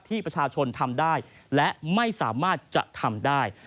ที่ประชาชนทำได้และไม่สามารถจะทำได้